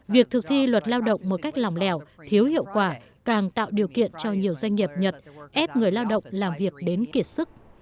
việc thực thi luật lao động một cách lòng lẻo thiếu hiệu quả càng tạo điều kiện cho nhiều doanh nghiệp nhật ép người lao động làm việc đến kiệt sức